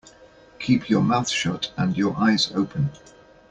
Keep your mouth shut and your eyes open.